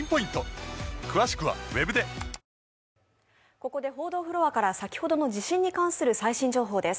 ここで報道フロアから先ほどの地震に関する最新情報です。